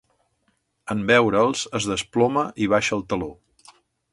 En veure'ls, es desploma i baixa el teló.